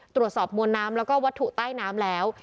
ตรวจสอบมวลน้ำแล้วก็วัตถุใต้น้ำแล้ว